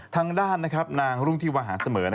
ทางด้านนางรุ่งที่วาหารเสมอ